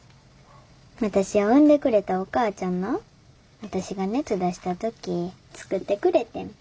私を産んでくれたお母ちゃんな私が熱出した時作ってくれてん。